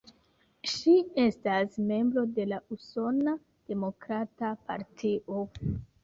Ŝi estas membro de la Usona Demokrata Partio.